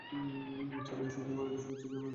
চলে এসেছি বারাতের শুভেচ্ছা জানানোর জন্য, কাজ বলেন?